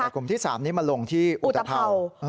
กลุ่มที่๓นี้มาลงที่อุตภาว